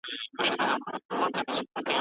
کار د انبياوو سنت دی.